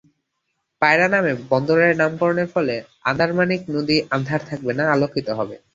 পায়রা নামে বন্দরের নামকরণের ফলে আন্দারমানিক নদী আন্ধার থাকবে না, আলোকিত হবে।